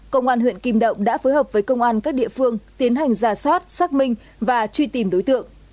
công an huyện kim động đã phối hợp với công an các địa phương tiến hành giả soát xác minh và truy tìm đối tượng